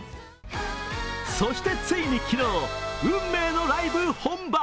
そしてついに昨日、運命のライブ本番。